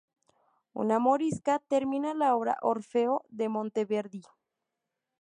Una "morisca" termina la obra Orfeo de Monteverdi.